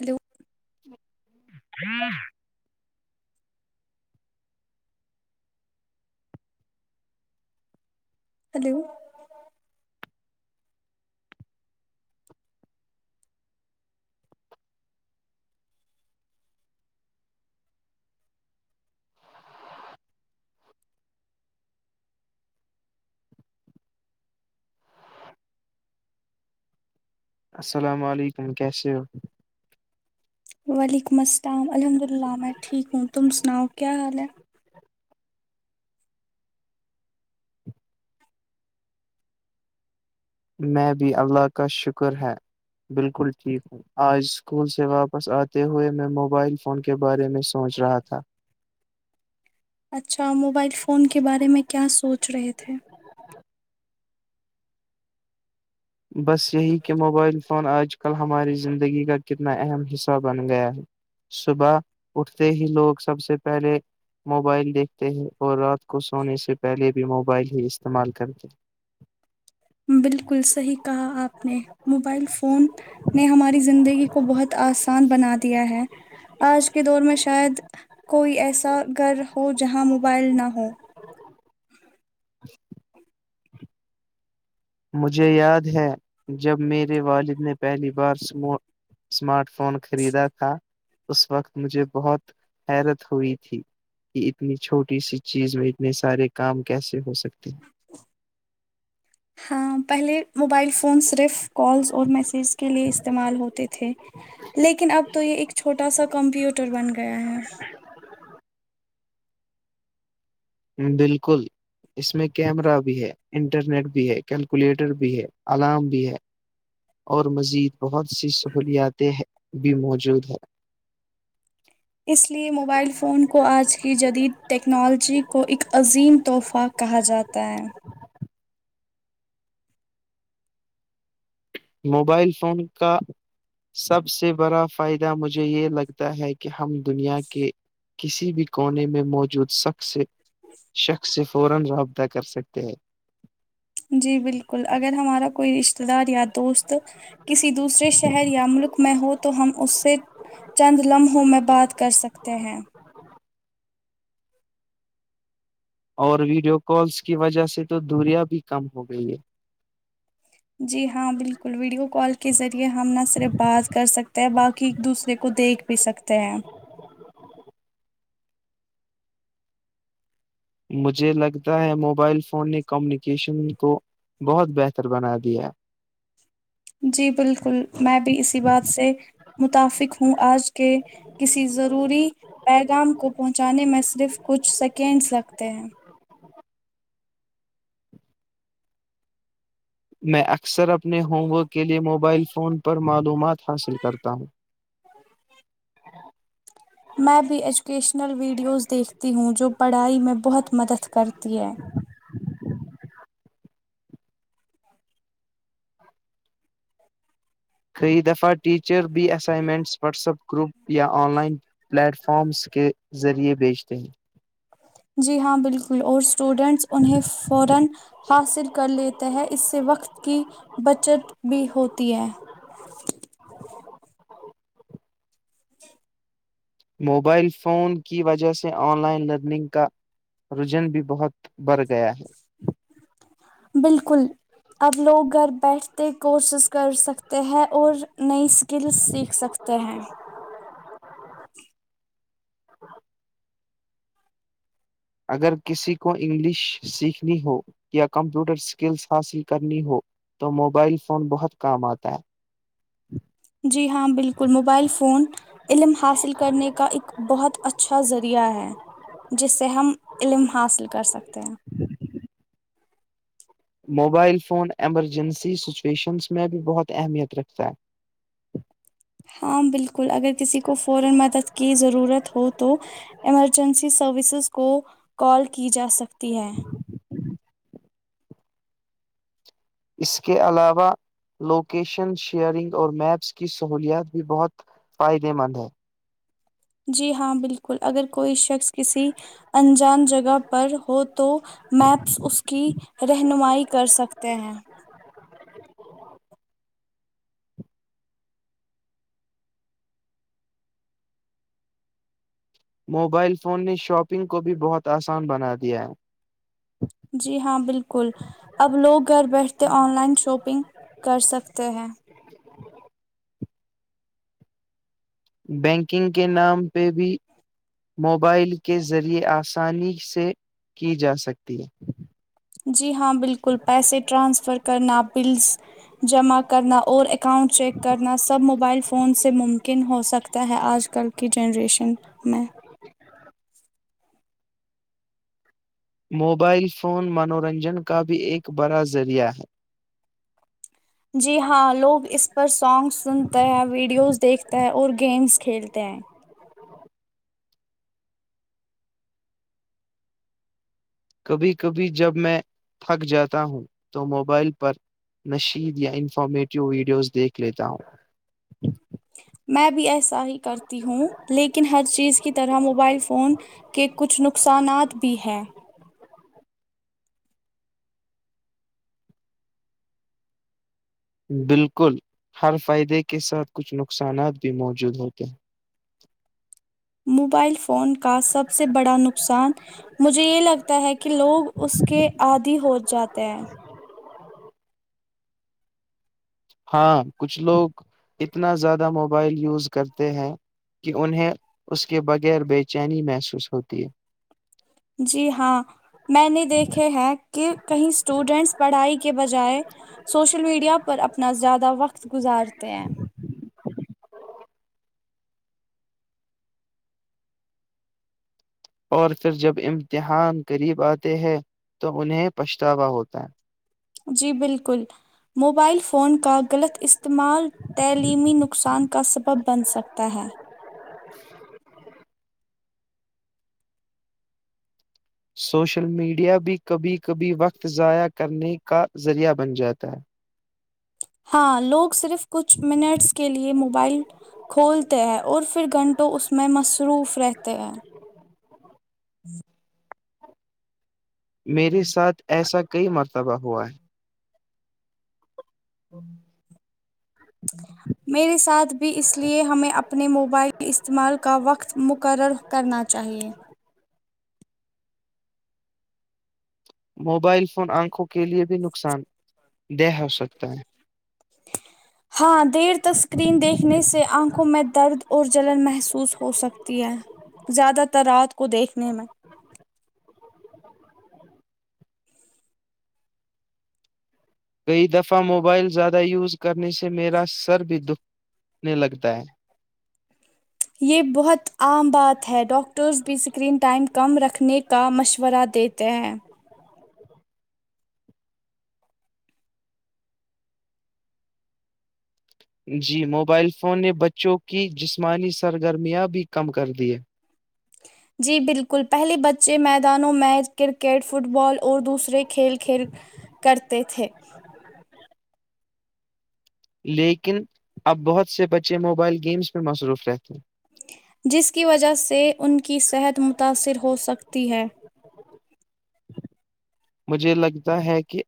hello [unintelligible] السلام علیکم کیسے ہو وعلیکم السلام الحمدللہ میں ٹھیک ہوں تم سناؤ کیا حال میں بھی اللہ کا شکر ہے بالکل ٹھیک ہوں آج اسکول سے واپس آتے ہوئے میں موبائل فون کے بارے میں سوچ رہا تھا اچھا موبائل فون کے بارے میں کیا سوچ رہے تھے بس یہی کہ موبائل فون آج کل ہماری زندگی کا کتنا اہم حصہ بن گیا ہے صبح اٹھتے ہی لوگ سب سے پہلے موبائل دیکھتے ہیں اور رات کو سونے سے پہلے بھی موبائل ہی استعمال کرتے ہیں بالکل صحیح کہا آپ نے موبائل فون نے ہماری زندگی کو بہت آسان بنا دیا ہے آج کے دور میں شاید کوئی ایسا گھر ہو جہاں موبائل نہ ہو مجھے یاد ہے جب میرے والد نے پہلی بارو اسمارٹ فون خریدا تھا اس وقت مجھے بہت حیرت ہوئی تھی کہ اتنی چھوٹی سی چیز میں اتنے سارے کام کیسے ہو سکتے ہیں ہاں پہلے موبائل فون صرف کالز اور میسیج کے لیے استعمال ہوتے تھے لیکن اب تو یہ ایک چھوٹا سا کمپیوٹر بن گیا ہے بالکل اس میں کیمرہ بھی ہے انٹرنیٹ بھی ہے کیلکولیٹر بھی ہے الارم بھی ہے اور مزید بہت سی سہولیاتیں بھی موجود ہے اس لیے موبائل فون کو آج کی جدید ٹیکنالوجی کو ایک عظیم تحفہ کہا جاتا ہے موبائل فون کا سب سے بڑا فائدہ مجھے یہ لگتا ہے کہ ہم دنیا کے کسی بھی کونے میں موجود شخص شخص سے فورا ضابطہ کر سکتے ہیں جی بالکل اگر ہمارا کوئی رشتتے دار یا دوست کسی دوسرے شہر یا ملک میں ہو تو ہم اس سے چند لمحوں میں بات کر سکتے ہیں اور ویڈیو کالس کی وجہ سے تو دوریا بھی کم ہو گئی ہے جی ہاں بالکل ویڈیو کال کے ذریعے ہم نہ صرف بات کر سکتے ہیں باقی ایک دوسرے کو دیکھ پی سکتے ہیں مجھے لگتا ہے موبائل فون نے کمیونیکیشن کو بہت بہتر بنا دیا ہے جی بالکل میں بھی اسی بات سے متفق ہوں آج کے کسی ضروری پیغام کو پہنچانے میں صرف کچھ سیکینڈس لگتے ہیں میں اکثر اپنے ہوم ورک کے لیے موبائل فون پر معلومات حاصل کرتا ہوں [inaudible] میں بھی ایجوکیشنل ویڈیوز دیکھتی ہوں جو پڑھائی میں بہت مدد کرتی ہے خری دفاٹ ٹیچر بی اسائنمنٹس واٹسپ گروپ یا آن لائن پلیٹ فارمس کے ذریعے بیچتے ہیں جی ہاں بالکل اور سٹوڈنٹس انہیں فورا حاصل کر لیتے ہیں اس سے وقت کی بچت بھی ہوتی ہے ج [inaudible] موبائل فون کی وجہ سے آن لائن لرننگ کا رجن بھی بہت بڑھ گیا ہے بالکل اب لوگ گھر بیٹھتے کورسز کر سکتے ہیں اور نئی اسکلس سیکھ سکتے کہ ہیں ج [unintelligible] اگر کسی کو انگلش سیکھنی ہو یا کمپیوٹر اسکلس حاصل کرنی ہو تو موبائل فون بہت کام آتا ہے جی ہاں بالکل موبائل فون علم حاصل کرنے کا ایک بہت اچھا ذریعہ ہے جس سے ہم علم حاصل کر سکتے ہیں موبائل فون ایمرجنسی سچویشنس میں بھی بہت اہمیت رکھتا ہے ہاں بالکل اگر کسی کو فورا مدد کی ضرورت ہو تو ایمرجنسی سروسز کو کال کی جا سکتی ہے اس کے علاوہ لوکیشن شیئرنگ اور میپس کی سہولیات بھی بہت پائے د ماند ہے جی ہاں بالکل اگر کوئی شخص کسی انجان جگہ پر ہو تو میپس اس کی رہنمائی کر سکتے ہیں موبائل فون نے شاپنگ کو بھی بہت آسان بنا دیا ہے جی ہاں بالکل اب لوگ گھر بیٹھتے آن لائن شاپنگ کر سکتے ہیں ج [inaudible] بینکنگ کے نام پہ بھی موبائل کے ذریعے آسانی سے کی جا سکتی ہے جی ہاں بالکل پیسے ٹرانسفر کرنا بلز جمع کرنا اور اکاؤنٹ چیک کرنا سب موبائل فون سے ممکن ہو سکتا ہے آج کل کی جنریشن میں موبائل فون منورنجن کا بھی ایک بڑا ذریعہ ہے جی ہاں لوگ اس پر سانگ سنتے ہیں ویڈیوز دیکھتے ہیں اور گیمس کھیلتے ہیں کبھی کبھی جب میں تھک جاتا ہوں تو موبائل پر نشید یا انفارمیٹو ویڈیوز دیکھ لیتا ہوں میں بھی ایسا ہی کرتی ہوں لیکن ہر چیز کی طرح موبائل فون کے کچھ نقصانات بھی ہیں بالکل ہر فائدے کے ساتھ کچھ نقصانات بھی موجود ہوتے ہیں موبائل فون کا سب سے بڑا نقطہ نقصان مجھے یہ لگتا ہے کہ لوگ اس کے آدھی ہو جاتے ہیں ہاں کچھ لوگ اتنا زیادہ موبائل یوز کرتے ہیں کہ انہیں اس کے بغیر بے چینی محسوس ہوتی ہے جی ہاں میں نے دیکھے ہیں کہ کہیں اسٹوڈینٹس پڑھائی کے بجائے سوشل میڈیا پر اپنا زیادہ وقت گزارتے ہیں اور پھر جب امتحان قریب آتے ہیں تو انہیں پچھتاوا ہوتا ہے جی بالکل موبائل فون کا غلط استعمال تعلیمی نقصان کا سبب بن سکتا ہے سوشل میڈیا بھی کبھی کبھی وقت ضائع کرنے کا ذریعہ بن جاتا ہے ہاں لوگ صرف کچھ منٹس کے لیے موبائل کھولتے ہیں اور پھر گھنٹوں اس میں مصروف رہتے ہیں میرے ساتھ ایسا کئی مرتبہ ہوا ہے میرے ساتھ بھی اس لیے ہمیں اپنے موبائل کے استعمال کا وقت مقرر کرنا چاہیے موبائل فون آنکھوں کے لیے بھی نقصان دہ ہو سکتا ہے ہاں دیر تک اسکرین دیکھنے سے آنکھوں میں درد اور جلن محسوس ہو سکتی ہے زیادہ تر رات کو دیکھنے میں کئی دفعہ موبائل زیادہ یوز کرنے سے میرا سر بھی دکھنے لگتا ہے یہ بہت عام بات ہے ڈاکٹرز بھی اسکرین ٹائم کم رکھنے کا مشورہ دیتے ت جی موبائل فون نے بچوں کی جسمانی سرگرمیاں بھی کم کر دی ہے جی بالکل پہلے بچے میدانوں میں کرکٹ فٹ بال اور دوسرے کھیل کھیل کرتے تھے لیکن اب بہت سے بچے موبائل گیمس پہ مصروف رہتے ہیں جس کی وجہ سے ان کی صحت متاثر ہو سکتی ہے مجھے لگتا ہے کہ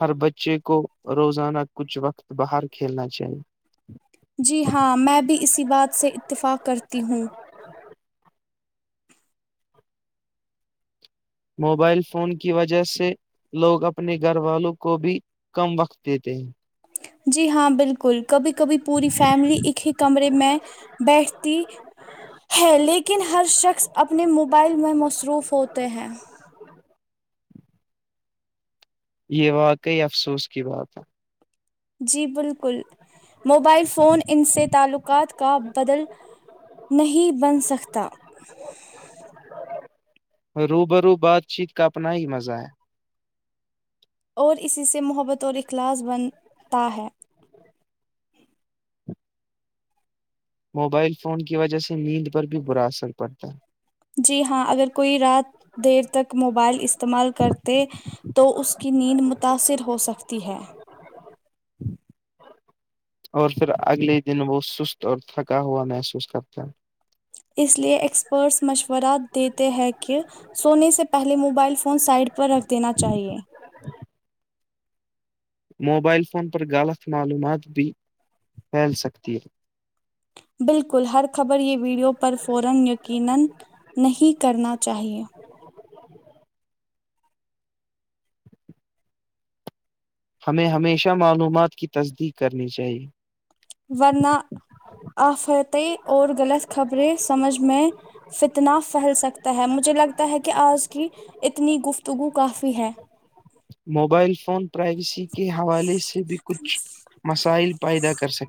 ہر بچے کو روزانہ کچھ وقت باہر کھیلنا چاہیے جی ہاں میں بھی اسی بات سے اتفاق کرتی ہوں موبائل فون کی وجہ سے لوگ اپنے گھر والوں کو بھی کم وقت دیتے ہیں جی ہاں بالکل کبھی کبھی پوری فیملی ایک ہی کمرے میں بیٹھ ہے لیکن ہر شخص اپنے موبائل میں مصروف ہوتے ہیں یہ واقعی افسوس کی بات ہے جی بالکل موبائل فون ان سے تعلقات کا بدل نہیں بن سکتا روبرو بات چیت کا اپنا ہی مزہ ہے اور اسی سے محبت اور اخلاص بنتا ہے موبائل فون کی وجہ سے نیند پر بھی برا اثر پڑتا ہے جی ہاں اگر کوئی رات دیر تک موبائل استعمال کرتے تو اس کی نیند متاثر ہو سکتی ہے اور پھر اگلے ہی دن وہ سست اور تھکا ہوا محسوس کرتے ہیں اس لیے ایکسپرٹس مشورہ دیتے ہیں کہ سونے سے پہلے موبائل فون سائڈ پر رکھ دینا چاہیے موبائل فون پر غلط معلومات بھی پھیل سکتی ہے بالکل ہر خبر یہ ویڈیو پر فورا یقینا نہیں کرنا چاہیے ہمیں ہمیشہ معلومات کی تصدیق کرنی چاہیے ورنہ افراط اور غلط خبریں سمجھ میں فتنا پھیل سکتا ہے مجھے لگتا ہے کہ آج کی اتنی گفتگو کافی ہے موبائل فون پرائیویسی کے حوالے سے بھی کچھ مسائل پیدا کر سکے